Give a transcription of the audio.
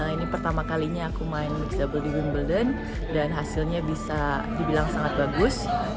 ini pertama kalinya aku main di double di wimbledon dan hasilnya bisa dibilang sangat bagus